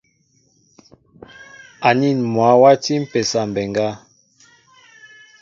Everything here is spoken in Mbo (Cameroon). Anin mwă wati mpésa mbéŋga.